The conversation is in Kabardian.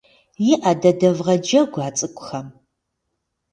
ИӀэ дадэвгъэджэгу а цӀыкӀухэм